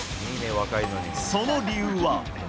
その理由は。